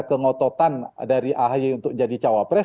kengototan dari ahy untuk jadi cawapres